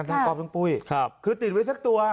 ทั้งกรอบทั้งปุ้ยครับคือติดไว้แสดกตัว